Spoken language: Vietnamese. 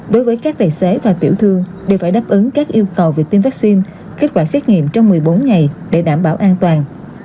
đối với các tài xế và tiểu thương đều phải đáp ứng các yêu cầu về tiêm vaccine kết quả xét nghiệm trong một mươi bốn ngày để đảm bảo an toàn